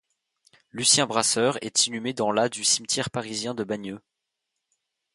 Lucien Brasseur est inhumé dans la du cimetière parisien de Bagneux.